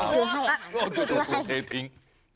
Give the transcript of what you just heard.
คุณเก่งกว่าแรง